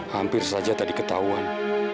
hampir saja tadi ketahuan